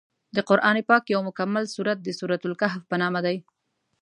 د قران پاک یو مکمل سورت د سورت الکهف په نامه دی.